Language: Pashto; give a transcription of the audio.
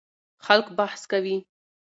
خلک بحث کوي.